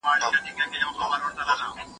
ولي تمرین د زده کړي برخه ده؟